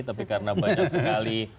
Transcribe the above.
tapi karena banyak sekali